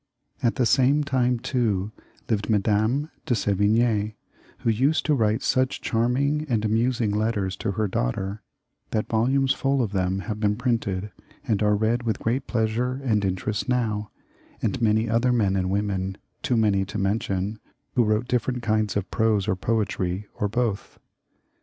At the same time, too, lived Madame de S^vign^ who used to write such charming and amusing letters to her daughter, that volumes fall of them have been printed, and are read with great pleasure and interest now ; and many other men and women, too many to men tion, who wrote different kinds of prose or poetry, or both.